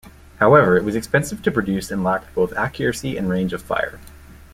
However, it was expensive to produce and lacked both accuracy and range of fire.